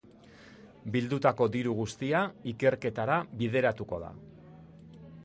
Bildutako diru guztia ikerketara bideratuko da.